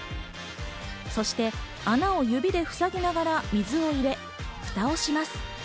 そして穴を指でふさぎながら水を入れ、フタをします。